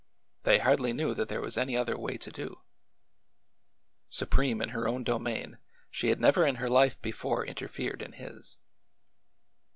They hardly knew that there was any other way to do. Su preme in her own domain, she had never in her life before interfered in his.